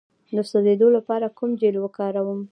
د سوځیدو لپاره کوم جیل وکاروم؟